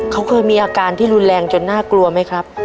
เขาเคยมีอาการที่รุนแรงจนน่ากลัวไหมครับ